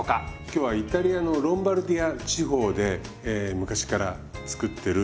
今日はイタリアのロンバルディア地方で昔から作ってるリゾットがあるんですね。